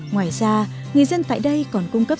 ngoài ra người dân tại đây còn cung cấp